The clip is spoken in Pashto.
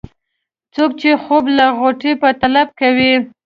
څوک چې خوب لکه غوټۍ په طلب کوي.